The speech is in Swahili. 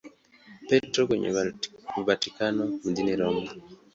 Petro kwenye Vatikano mjini Roma.